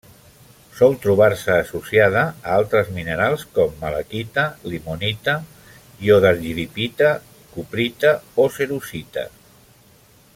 Sol trobar-se associada a altres minerals com: malaquita, limonita, iodargirita, cuprita o cerussita.